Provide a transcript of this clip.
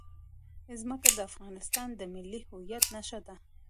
ځمکه د افغانستان د ملي هویت نښه ده.